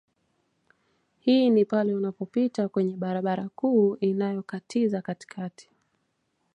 Hii ni pale unapopita kwenye barabara kuu inayokatiza katikati